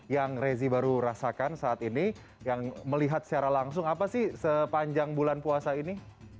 yang rezi baru rasakan saat ini yang melihat secara langsung apa sih sepanjang bulan puasa ini